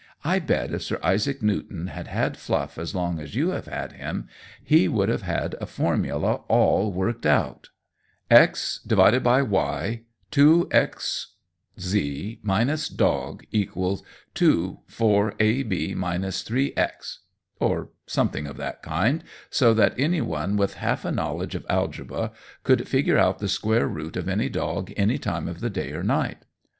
I bet if Sir Isaac Newton had had Fluff as long as you have had him he would have had a formula all worked out x/y(2xz dog)=2(4ab 3x) or something of that kind, so that anyone with half a knowledge of algebra could figure out the square root of any dog any time of the day or night.